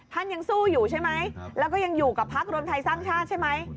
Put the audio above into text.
ยังสู้อยู่ใช่ไหมแล้วก็ยังอยู่กับพักรวมไทยสร้างชาติใช่ไหม